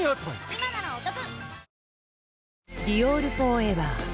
今ならお得！！